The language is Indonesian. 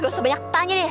gak usah banyak tanya deh